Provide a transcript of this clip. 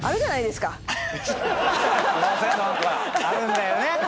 あるんだよね